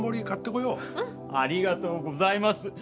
ありがとうございます。